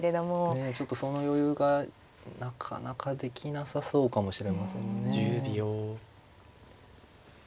ねえちょっとその余裕がなかなかできなさそうかもしれませんね。